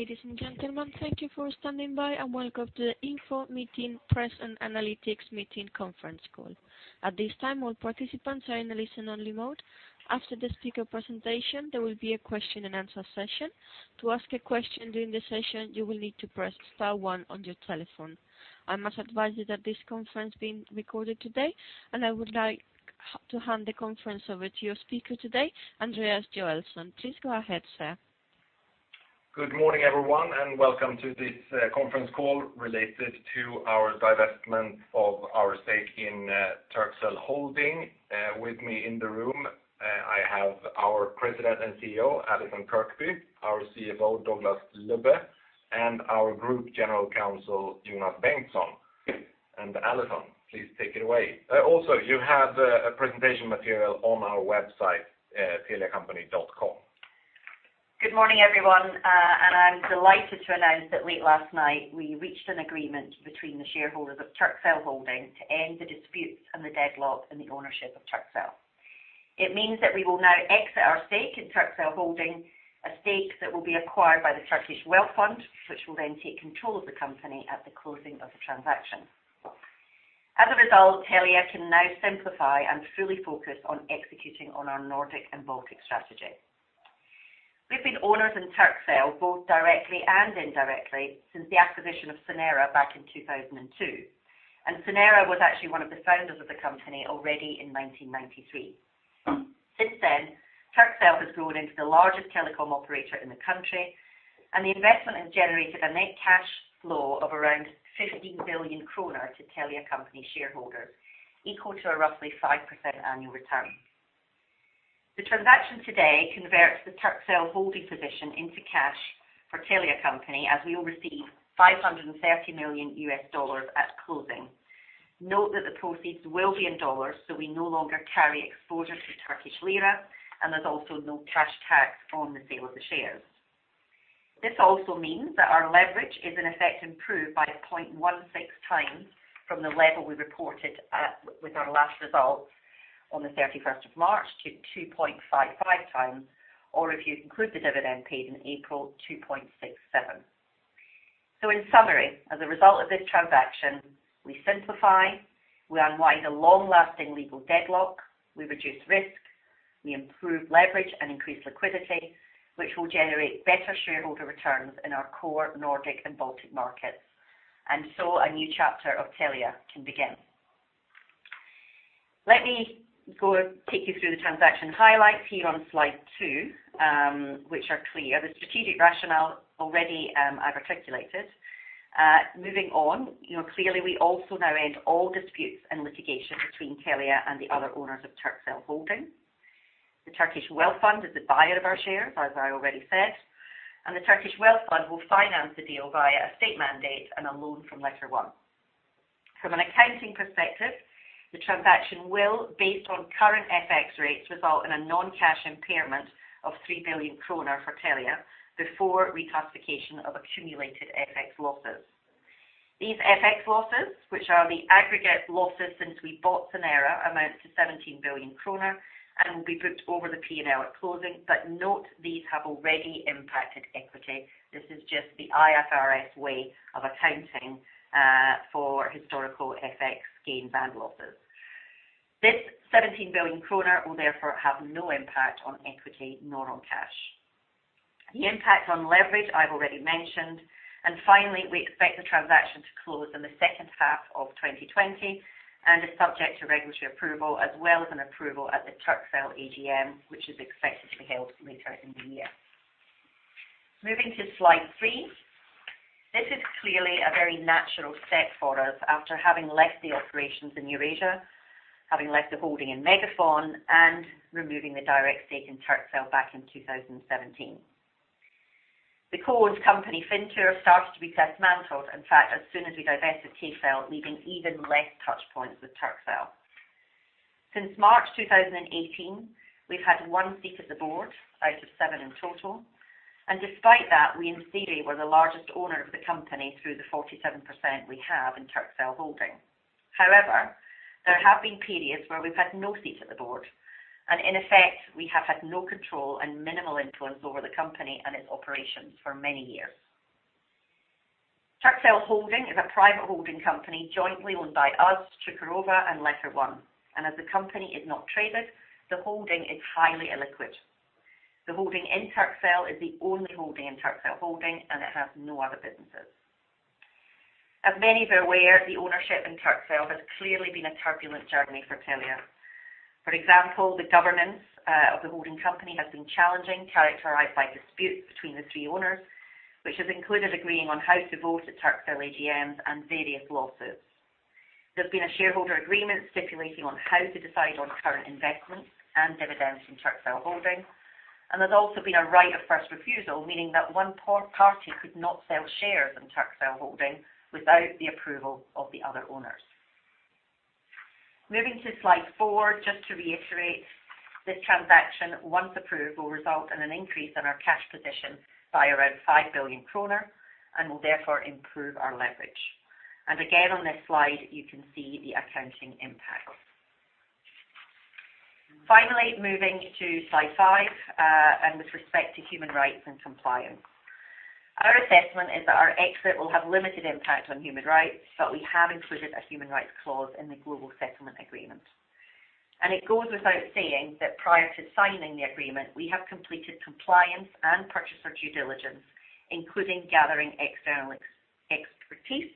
Ladies and gentlemen, thank you for standing by, and welcome to the Info Meeting Press and Analytics Meeting conference call. At this time, all participants are in a listen-only mode. After the speaker presentation, there will be a question-and-answer session. To ask a question during the session, you will need to press star one on your telephone. I must advise you that this conference is being recorded today, and I would like to hand the conference over to your speaker today, Andreas Joelsson. Please go ahead, sir. Good morning, everyone. Welcome to this conference call related to our divestment of our stake in Turkcell Holding. With me in the room, I have our President and CEO, Allison Kirkby, our CFO, Douglas Lubbe, and our Group General Counsel, Jonas Bengtsson. Allison, please take it away. You have a presentation material on our website, teliacompany.com. Good morning, everyone. I'm delighted to announce that late last night we reached an agreement between the shareholders of Turkcell Holding to end the disputes and the deadlock in the ownership of Turkcell. It means that we will now exit our stake in Turkcell Holding, a stake that will be acquired by the Turkey Wealth Fund, which will then take control of the company at the closing of the transaction. As a result, Telia can now simplify and fully focus on executing on our Nordic and Baltic strategy. We've been owners in Turkcell, both directly and indirectly, since the acquisition of Sonera back in 2002. Sonera was actually one of the founders of the company already in 1993. Since then, Turkcell has grown into the largest telecom operator in the country, and the investment has generated a net cash flow of around 15 billion kronor to Telia Company shareholders, equal to a roughly 5% annual return. The transaction today converts the Turkcell Holding position into cash for Telia Company as we will receive $530 million at closing. Note that the proceeds will be in dollars, so we no longer carry exposure to Turkish lira, and there's also no cash tax on the sale of the shares. This also means that our leverage is in effect improved by 0.16 times from the level we reported with our last results on the 31st of March to 2.55 times, or if you include the dividend paid in April, 2.67. In summary, as a result of this transaction, we simplify, we unwind a long-lasting legal deadlock, we reduce risk, we improve leverage and increase liquidity, which will generate better shareholder returns in our core Nordic and Baltic markets. A new chapter of Telia can begin. Let me go take you through the transaction highlights here on slide two, which are clear. The strategic rationale already I've articulated. Moving on. Clearly, we also now end all disputes and litigation between Telia and the other owners of Turkcell Holding. The Turkey Wealth Fund is the buyer of our shares, as I already said, and the Turkey Wealth Fund will finance the deal via a state mandate and a loan from LetterOne. From an accounting perspective, the transaction will, based on current FX rates, result in a non-cash impairment of 3 billion kronor for Telia before reclassification of accumulated FX losses. These FX losses, which are the aggregate losses since we bought Sonera, amount to 17 billion kronor and will be booked over the P&L at closing, but note these have already impacted equity. This is just the IFRS way of accounting for historical FX gains and losses. This 17 billion kronor will therefore have no impact on equity nor on cash. The impact on leverage I've already mentioned, and finally, we expect the transaction to close in the second half of 2020 and is subject to regulatory approval as well as an approval at the Turkcell AGM, which is expected to be held later in the year. Moving to slide three. This is clearly a very natural step for us after having left the operations in Eurasia, having left the holding in MegaFon, and removing the direct stake in Turkcell back in 2017. The co-owned company Fintur started to be dismantled, in fact, as soon as we divested Kcell, leaving even less touchpoints with Turkcell. Since March 2018, we've had one seat at the board out of seven in total, and despite that, we in theory were the largest owner of the company through the 47% we have in Turkcell Holding. However, there have been periods where we've had no seat at the board, and in effect, we have had no control and minimal influence over the company and its operations for many years. Turkcell Holding is a private holding company jointly owned by us, Cukurova, and LetterOne. As the company is not traded, the holding is highly illiquid. The holding in Turkcell is the only holding in Turkcell Holding, and it has no other businesses. As many are aware, the ownership in Turkcell has clearly been a turbulent journey for Telia. For example, the governance of the holding company has been challenging, characterized by disputes between the three owners, which has included agreeing on how to vote at Turkcell AGMs and various lawsuits. There's been a shareholder agreement stipulating on how to decide on current investments and dividends from Turkcell Holding, and there's also been a right of first refusal, meaning that one party could not sell shares in Turkcell Holding without the approval of the other owners. Moving to slide four, just to reiterate, this transaction, once approved, will result in an increase in our cash position by around 5 billion kronor and will therefore improve our leverage. Again, on this slide, you can see the accounting impact. Finally, moving to slide five, with respect to human rights and compliance. Our assessment is that our exit will have limited impact on human rights, but we have included a human rights clause in the global settlement agreement. It goes without saying that prior to signing the agreement, we have completed compliance and purchaser due diligence, including gathering external expertise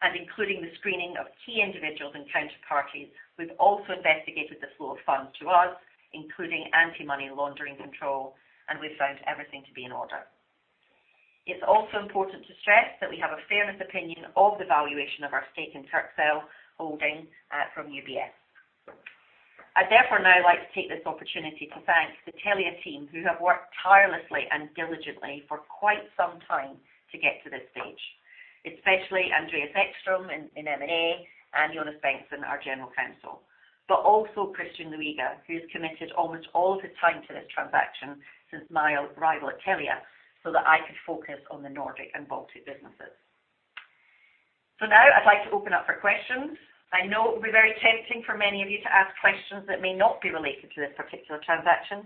and including the screening of key individuals and counterparties. We've also investigated the flow of funds to us, including anti-money laundering control, we found everything to be in order. It's also important to stress that we have a fairness opinion of the valuation of our stake in Turkcell Holding from UBS. I'd therefore now like to take this opportunity to thank the Telia team, who have worked tirelessly and diligently for quite some time to get to this stage, especially Andreas Ekström in M&A and Jonas Bengtsson, our general counsel. Also Christian Luiga, who's committed almost all of his time to this transaction since my arrival at Telia so that I could focus on the Nordic and Baltic businesses. Now I'd like to open up for questions. I know it will be very tempting for many of you to ask questions that may not be related to this particular transaction,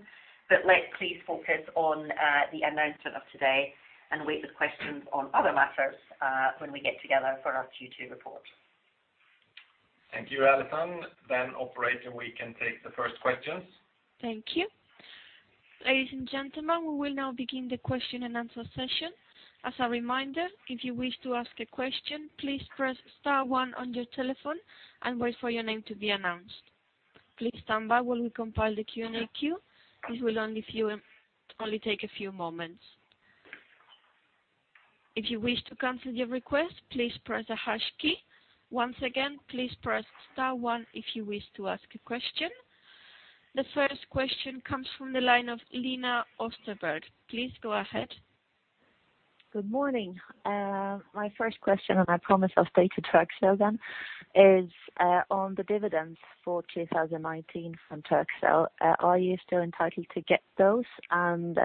let's please focus on the announcement of today and wait with questions on other matters when we get together for our Q2 report. Thank you, Allison. Operator, we can take the first questions. Thank you. Ladies and gentlemen, we will now begin the question and answer session. As a reminder, if you wish to ask a question, please press star one on your telephone and wait for your name to be announced. Please stand by while we compile the Q&A queue. This will only take a few moments. If you wish to cancel your request, please press the hash key. Once again, please press star one if you wish to ask a question. The first question comes from the line of Lena Österberg. Please go ahead. Good morning. My first question, I promise I'll stay to Turkcell then, is on the dividends for 2019 from Turkcell. Are you still entitled to get those? Could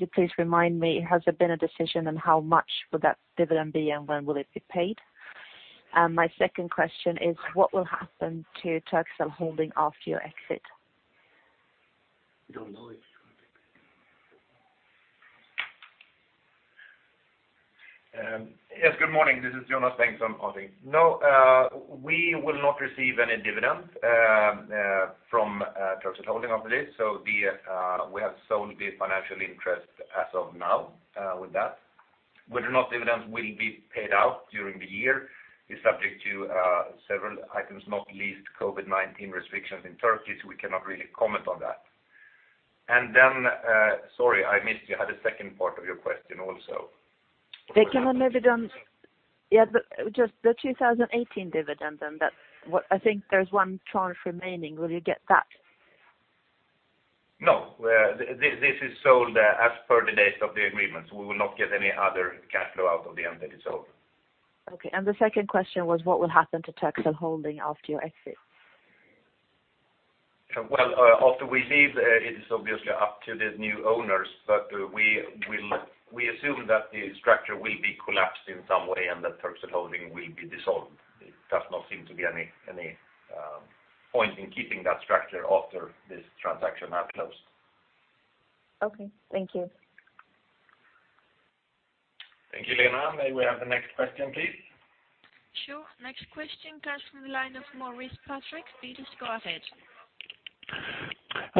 you please remind me, has there been a decision on how much would that dividend be and when will it be paid? My second question is what will happen to Turkcell Holding after your exit? Yes. Good morning. This is Jonas Bengtsson calling. No, we will not receive any dividend from Turkcell Holding obviously. We have sold the financial interest as of now with that. Whether or not dividends will be paid out during the year is subject to several items, not least COVID-19 restrictions in Turkey. We cannot really comment on that. Sorry, I missed, you had a second part of your question also. The 2018 dividend, I think there's one tranche remaining. Will you get that? No. This is sold as per the date of the agreement. We will not get any other cash flow out of the entity sold. Okay. The second question was what will happen to Turkcell Holding after your exit? Well, after we leave, it is obviously up to the new owners, but we assume that the structure will be collapsed in some way and that Turkcell Holding will be dissolved. There does not seem to be any point in keeping that structure after this transaction has closed. Okay. Thank you. Thank you, Lena. May we have the next question, please? Sure. Next question comes from the line of Maurice Patrick. Please go ahead.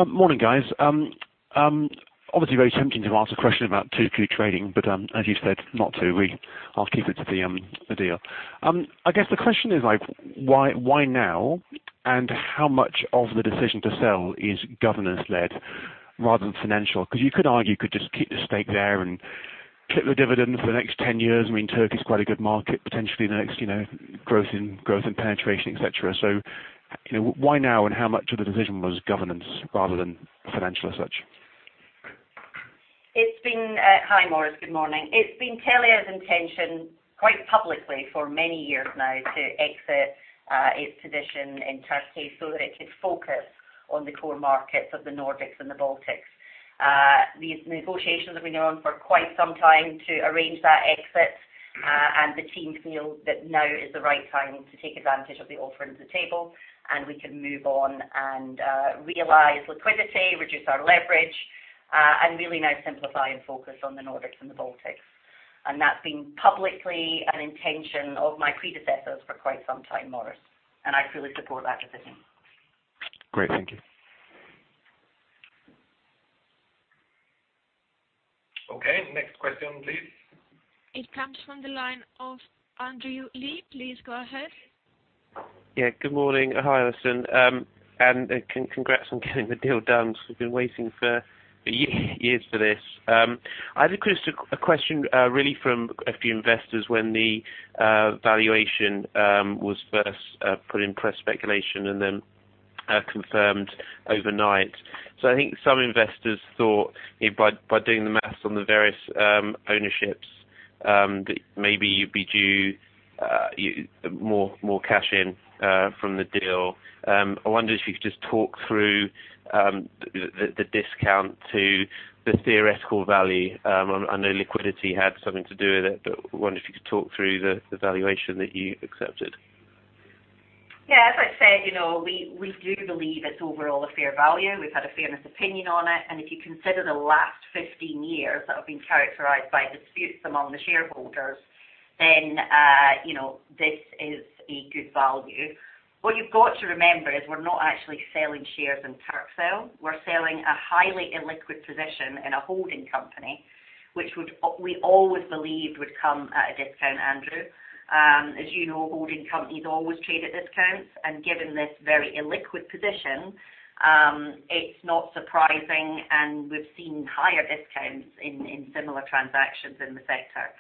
Morning, guys. Obviously very tempting to ask a question about 2Q trading. As you said not to. I'll keep it to the deal. I guess the question is why now and how much of the decision to sell is governance-led rather than financial? You could argue, you could just keep the stake there and clip the dividend for the next 10 years. Turkey's quite a good market, potentially the next growth and penetration, et cetera. Why now, and how much of the decision was governance rather than financial as such? Hi, Maurice. Good morning. It's been Telia's intention quite publicly for many years now to exit its position in Turkey so that it could focus on the core markets of the Nordics and the Baltics. These negotiations have been going on for quite some time to arrange that exit. The teams feel that now is the right time to take advantage of the offer on the table, and we can move on and realize liquidity, reduce our leverage, and really now simplify and focus on the Nordics and the Baltics. That's been publicly an intention of my predecessors for quite some time, Maurice, and I fully support that decision. Great. Thank you. Okay. Next question, please. It comes from the line of Andrew Lee. Please go ahead. Yeah. Good morning. Hi, Allison, congrats on getting the deal done because we've been waiting for years for this. I had a question really from a few investors when the valuation was first put in press speculation and then confirmed overnight. I think some investors thought by doing the math on the various ownerships, that maybe you'd be due more cash in from the deal. I wonder if you could just talk through the discount to the theoretical value. I know liquidity had something to do with it, but I wonder if you could talk through the valuation that you accepted. Yeah, as I said, we do believe it's overall a fair value. We've had a fairness opinion on it, and if you consider the last 15 years that have been characterized by disputes among the shareholders, then this is a good value. What you've got to remember is we're not actually selling shares in Turkcell. We're selling a highly illiquid position in a holding company, which we always believed would come at a discount, Andrew. As you know, holding companies always trade at discounts, and given this very illiquid position, it's not surprising, and we've seen higher discounts in similar transactions in the sector.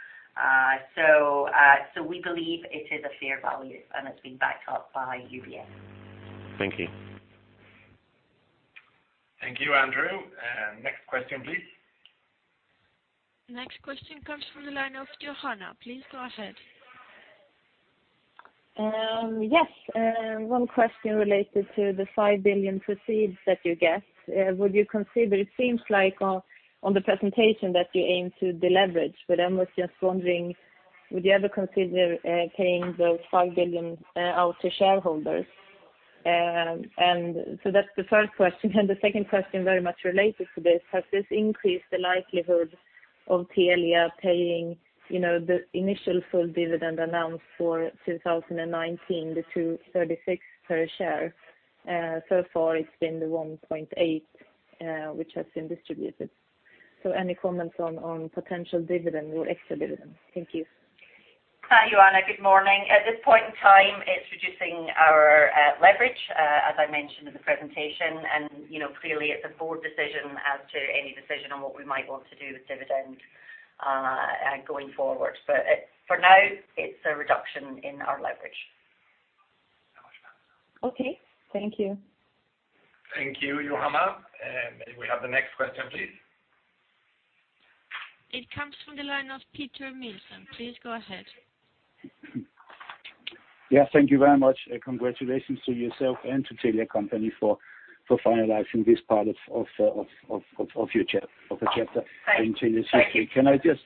We believe it is a fair value, and it's been backed up by UBS. Thank you. Thank you, Andrew. Next question, please. Next question comes from the line of Johanna. Please go ahead. Yes. One question related to the 5 billion proceeds that you get. Would you consider, it seems like on the presentation that you aim to deleverage, but I was just wondering, would you ever consider paying the 5 billion out to shareholders? That's the first question. The second question very much related to this, has this increased the likelihood of Telia paying the initial full dividend announced for 2019, the 2.36 per share? So far it's been the 1.8, which has been distributed. Any comments on potential dividend or extra dividend? Thank you. Hi, Johanna. Good morning. At this point in time, it's reducing our leverage, as I mentioned in the presentation. Clearly it's a board decision as to any decision on what we might want to do with dividend going forward. For now, it's a reduction in our leverage. Okay. Thank you. Thank you, Johanna. May we have the next question, please? It comes from the line of Peter Kurt Nielsen. Please go ahead. Yeah. Thank you very much. Congratulations to yourself and to Telia Company for finalizing this part of your chapter in Telia's history. Thanks.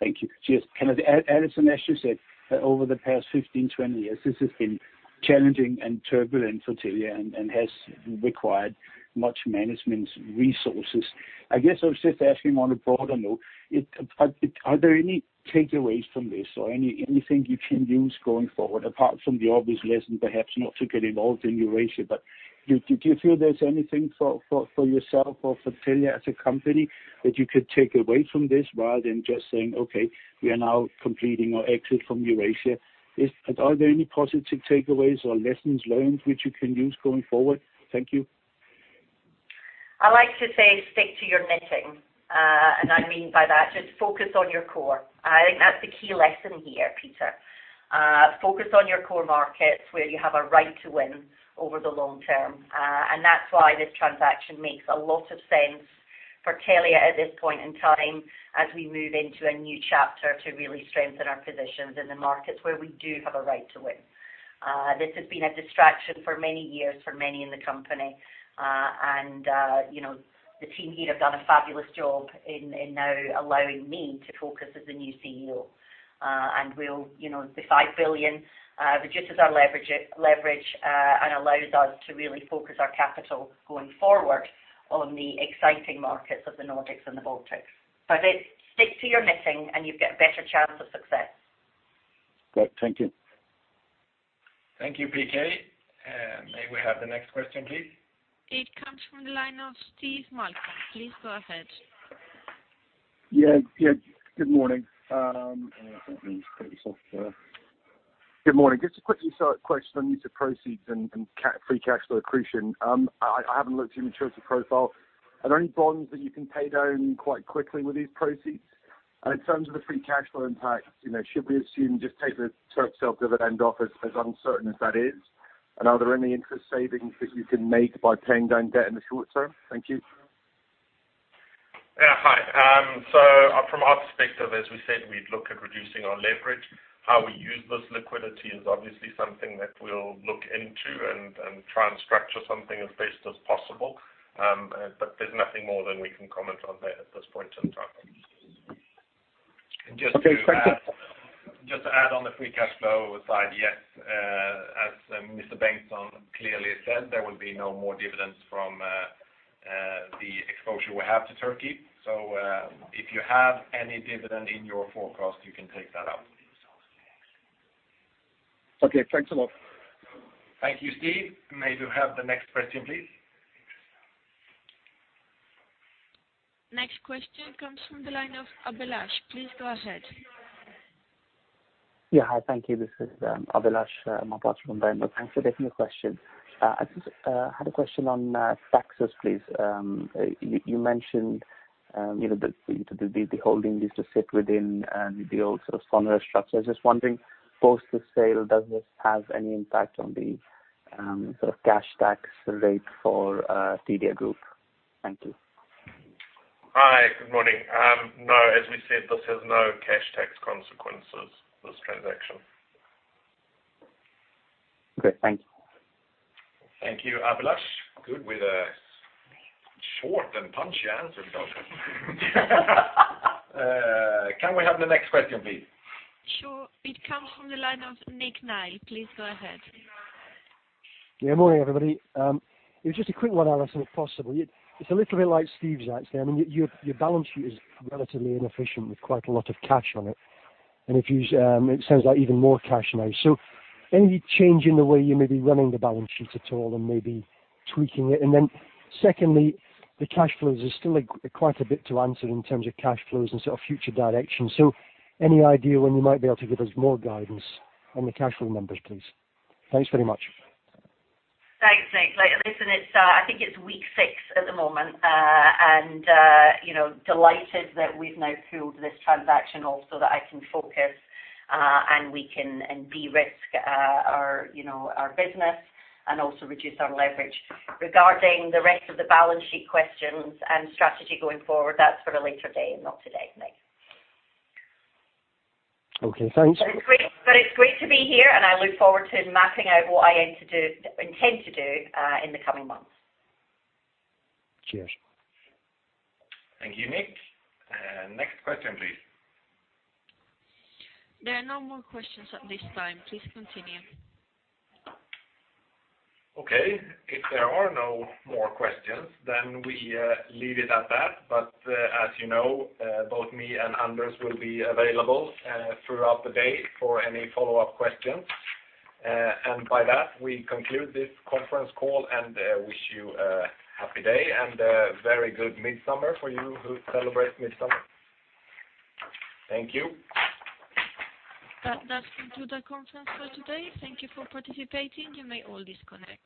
Thank you. Just can I add, Allison, as you said, over the past 15, 20 years, this has been challenging and turbulent for Telia and has required much management resources. I guess I was just asking on a broader note, are there any takeaways from this or anything you can use going forward, apart from the obvious lesson, perhaps not to get involved in Eurasia? Do you feel there's anything for yourself or for Telia as a company that you could take away from this rather than just saying, "Okay, we are now completing our exit from Eurasia." Are there any positive takeaways or lessons learned which you can use going forward? Thank you. I like to say stick to your knitting. I mean by that, just focus on your core. I think that's the key lesson here, Peter. Focus on your core markets where you have a right to win over the long term. That's why this transaction makes a lot of sense for Telia at this point in time as we move into a new chapter to really strengthen our positions in the markets where we do have a right to win. This has been a distraction for many years for many in the company. The 5 billion reduces our leverage, and allows us to really focus our capital going forward on the exciting markets of the Nordics and the Baltics. I say stick to your knitting and you've got a better chance of success. Great. Thank you. Thank you, PK. May we have the next question, please? It comes from the line of Steve Malcolm. Please go ahead. Yeah. Good morning. Just a quick question on the use of proceeds and free cash flow accretion. I haven't looked at your maturity profile. Are there any bonds that you can pay down quite quickly with these proceeds? In terms of the free cash flow impact, should we assume just take the Turkcell dividend off as uncertain as that is? Are there any interest savings that you can make by paying down debt in the short term? Thank you. Yeah. Hi. From our perspective, as we said, we'd look at reducing our leverage. How we use this liquidity is obviously something that we'll look into and try and structure something as best as possible. There's nothing more than we can comment on there at this point in time. Okay. Thank you. Just to add on the free cash flow side, yes, as Mr. Bengtsson clearly said, there will be no more dividends from the exposure we have to Turkey. If you have any dividend in your forecast, you can take that out. Okay. Thanks a lot. Thank you, Steve. May we have the next question, please? Next question comes from the line of Abhilash. Please go ahead. Yeah. Hi. Thank you. This is Abhilash Mapara from Berenberg. Thanks for taking the question. I just had a question on taxes, please. You mentioned the holding used to sit within the old sort of Sonera structure. I was just wondering, post the sale, does this have any impact on the sort of cash tax rate for Telia group? Thank you. Hi. Good morning. No, as we said, this has no cash tax consequences, this transaction. Great. Thank you. Thank you, Abhilash. Good with a short and punchy answer as well. Can we have the next question, please? Sure. It comes from the line of Nick Nye. Please go ahead. Morning, everybody. It was just a quick one, Allison, if possible. It's a little bit like Steve's actually. I mean, your balance sheet is relatively inefficient with quite a lot of cash on it. It sounds like even more cash now. Any change in the way you may be running the balance sheets at all and maybe tweaking it? Secondly, the cash flows, there's still quite a bit to answer in terms of cash flows and sort of future direction. Any idea when you might be able to give us more guidance on the cash flow numbers, please? Thanks very much. Thanks, Nick. Listen, I think it's week six at the moment. Delighted that we've now pulled this transaction off so that I can focus, and we can de-risk our business and also reduce our leverage. Regarding the rest of the balance sheet questions and strategy going forward, that's for a later day and not today, Nick. Okay, thanks. It's great to be here, and I look forward to mapping out what I intend to do in the coming months. Cheers. Thank you, Nick. Next question please. There are no more questions at this time. Please continue. Okay. If there are no more questions, we leave it at that. As you know both me and Anders will be available throughout the day for any follow-up questions. By that, we conclude this conference call and wish you a happy day and a very good Midsummer for you who celebrate Midsummer. Thank you. That concludes our conference call today. Thank you for participating. You may all disconnect.